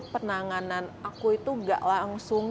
penanganan aku itu gak langsung